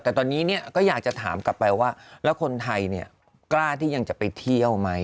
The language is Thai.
แต่ตอนนี้ก็อยากจะถามกลับไปว่าแล้วคนไทยกล้าที่ยังจะไปเที่ยวไหม